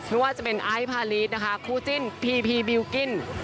ไม่ว่าจะเป็นไอภาลีสคู่จิ้นพีพีบิลกิ้น